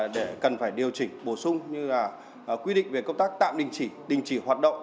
để cần phải điều chỉnh bổ sung như là quy định về công tác tạm đình chỉ đình chỉ hoạt động